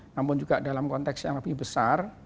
namun juga dalam konteks yang lebih besar